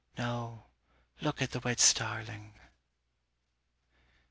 _No, look at the wet starling.